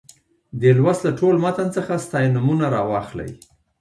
دې لوست له ټول متن څخه ستاینومونه راواخلئ.